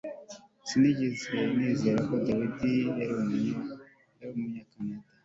Sinigeze nizera ko David yari Umunyakanada